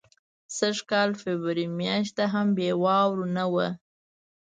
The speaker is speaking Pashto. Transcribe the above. سږ کال فبرورۍ میاشت هم بې واورو نه ده.